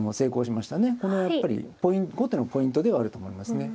このやっぱり後手のポイントではあると思いますね。